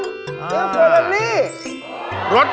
ซื้อเบอร์โลลี่